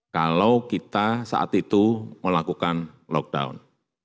kalau kita saat itu melakukan lockdown